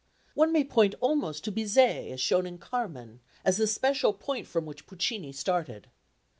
One may point almost to Bizet, as shown in Carmen, as the special point from which Puccini started.